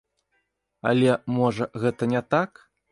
Але, можа, гэта не так?